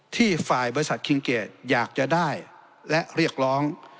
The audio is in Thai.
ที่ฝ่ายบริษัทคิงเกดอยากจะได้และเรียกร้อง